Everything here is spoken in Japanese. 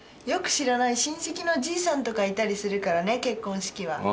よく知らない親戚のじいさんとかいたりするからね結婚式は。